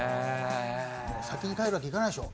先に帰るわけ行かないでしょ。